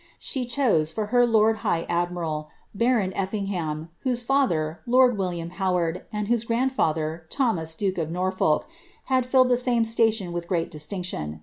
She choee, for her \<ad I tifmj'*^ baron Effingham, whose fiither, lord William Howard, and •e gimnd&ther, Thomas duke of Norfolk, had filled the same station I great distinction.